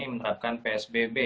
untuk menerapkan psbb